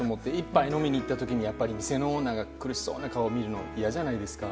１杯飲みに行った時に店のオーナーが苦しそうな顔を見るの嫌じゃないですか。